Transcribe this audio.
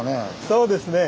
そうですね